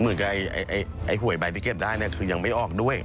เหมือนกับไอ้หวยใบที่เก็บได้เนี่ยคือยังไม่ออกด้วย